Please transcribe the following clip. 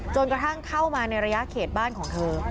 จนกระทั่งเข้ามาในระยะเขตบ้านของเธอ